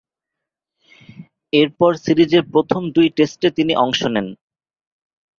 এরপর, সিরিজের প্রথম দুই টেস্টে তিনি অংশ নেন।